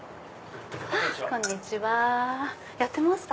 こんにちはやってますか？